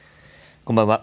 こんばんは。